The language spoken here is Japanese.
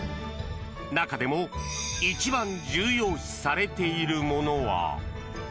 中でも一番重要視されているものは。